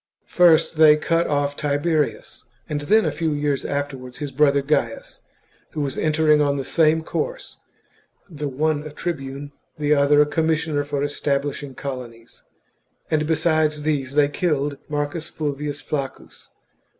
First they cut off Tiberius, and then, a few years afterwards, his brother Gains, who was entering on the same course — the one a tribune, the other a commissioner for establishing colonies ; and besides these they killed Marcus Fulvius Flaccus.